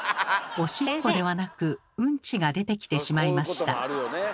おしっこではなくうんちが出てきてしまいました。